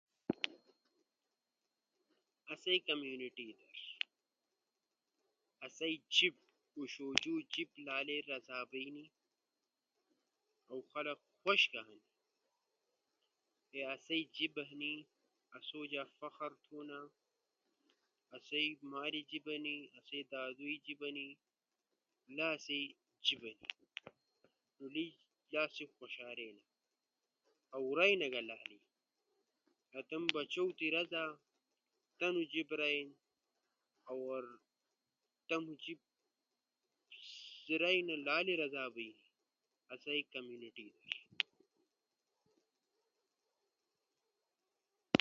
آسئی کمیونٹی در آسئی جیِب اوݜوجو لالے رزا بئینی، اؤ خلق خوش گا ہنو۔ کے آسئی جیب ہنی، آسو جا فخر تھونا، آسئی مالے جیب ہنی آسئی دادو ئے جیب ہنی، لا آسئی جیِب ہنی۔ نو لیس جا آسو خوشارینا اؤ رؤنا لالے، آسو بچو تی رزا تمو جیب رئینا، اؤ تمو جیب رئینو لالے رزا بئینی، آسئی کمیونٹی در۔